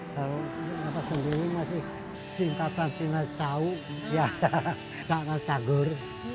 kalau sendiri masih cinta cinta tahu ya sangat sagar